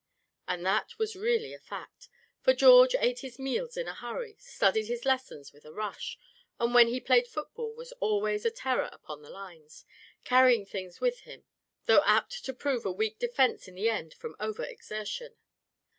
And that was really a fact, for George ate his meals in a hurry, studied his lessons with a rush; and when he played football was always a terror upon the lines, carrying things with him; though apt to prove a weak defense in the end from over exertion.